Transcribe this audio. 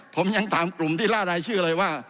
ผมยังถามกลุ่มที่ล่ารายชื่อเลยว่า